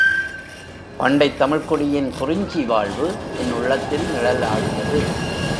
பண்டைத் தமிழ்க்குடியின் குறிஞ்சி வாழ்வு என் உள்ளத்தில் நிழலாடியது.